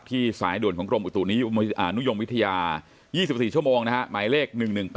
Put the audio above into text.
ที่สายด่วนของกรมอุตุฯนี้นุยมวิทยา๒๔ชั่วโมงหมายเลข๑๑๘๒